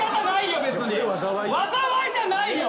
災いじゃないよ。